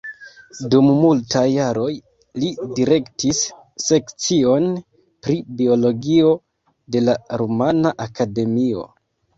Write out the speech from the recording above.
Dum multaj jaroj li direktis sekcion pri biologio de la Rumana Akademio.